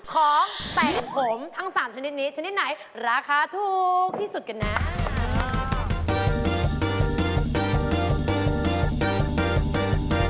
ของแต่งผมทั้ง๓ชนิดนี้ชนิดไหนราคาถูกที่สุดกันนะ